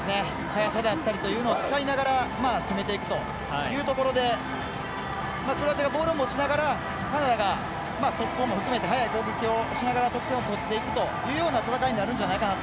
速さだったりというのを使いながら攻めていくというところでクロアチアがボールを持ちながらカナダが、速攻も含めて速い攻撃をしながら得点を取っていくというような戦いになるんじゃないかな